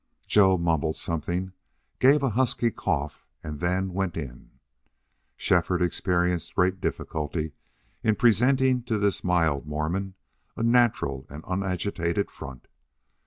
Joe mumbled something, gave a husky cough, and then went in. Shefford experienced great difficulty in presenting to this mild Mormon a natural and unagitated front.